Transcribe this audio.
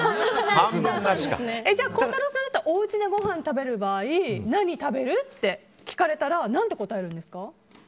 じゃあ、孝太郎さんだったらお家でごはん食べる場合何食べる？って聞かれたら何て答えるんですか？